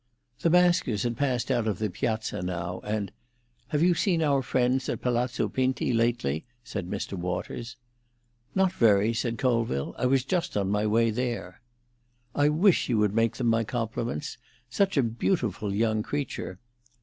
The maskers had passed out of the piazza, now, and "Have you seen our friends at Palazzo Pinti lately?" said Mr. Waters. "Not very," said Colville. "I was just on my way there." "I wish you would make them my compliments. Such a beautiful young creature."